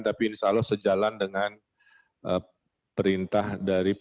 tapi insya allah sejalan dengan perintah dari pemerintah